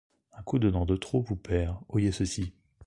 Un coup de dent de trop vous perd. Oyez ceci :